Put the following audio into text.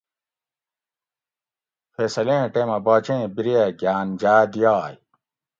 فیصلیں ٹیمہ باچیں بِریہ گھاۤن جاۤ دیائے